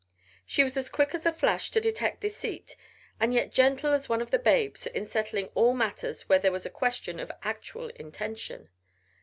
She was as quick as a flash to detect deceit and yet gentle as one of the Babes in settling all matters where there was a question of actual intention.